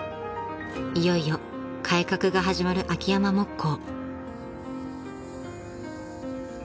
［いよいよ改革が始まる秋山木工］